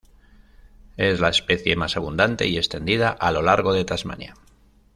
Es la especie más abundante y extendida a lo largo de Tasmania.